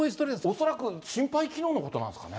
恐らく心肺機能のことなんですかね？